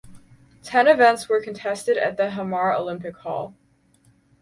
Ten events were contested at Hamar Olympic Hall.